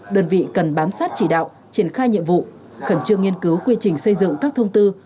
đơn vị cần bám sát chỉ đạo triển khai nhiệm vụ khẩn trương nghiên cứu quy trình xây dựng các thông tư